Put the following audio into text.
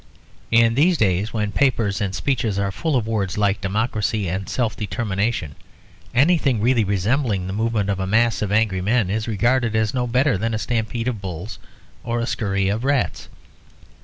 In these days when papers and speeches are full of words like democracy and self determination, anything really resembling the movement of a mass of angry men is regarded as no better than a stampede of bulls or a scurry of rats.